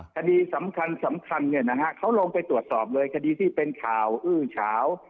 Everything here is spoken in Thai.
คดีสำคัญสำคัญเขาลงไปตรวจสอบเลยคดีที่เป็นข่าวอื้อเฉา